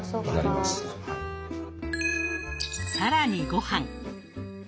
更にごはん。